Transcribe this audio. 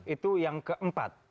itu yang keempat